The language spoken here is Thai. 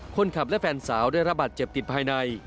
คนขับและแฟนสาวได้ระบาดเจ็บติดภายใน